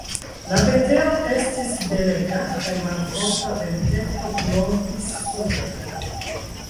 La vetero estis belega kaj malforta venteto blovis suden.